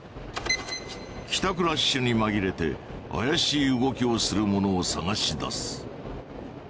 帰宅ラッシュにまぎれて怪しい動きをする者を探し出す。